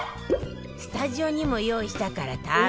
スタジオにも用意したから食べてみて